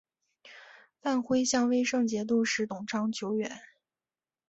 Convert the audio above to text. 范晖向威胜节度使董昌求援。